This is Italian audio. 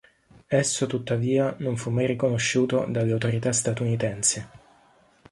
Esso tuttavia non fu mai riconosciuto dalle autorità Statunitensi.